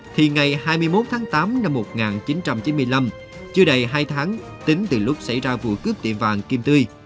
thì ngày hai mươi một tháng tám năm một nghìn chín trăm chín mươi năm chưa đầy hai tháng tính từ lúc xảy ra vụ cướp tiệm vàng kim tươi